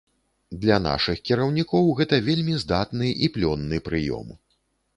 Для нашых кіраўнікоў гэта вельмі здатны і плённы прыём.